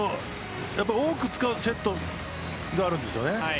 多く使うセットがあるんですよね。